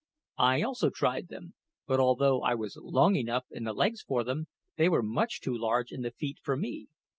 I also tried them; but although I was long enough in the legs for them, they were much too large in the feet for me.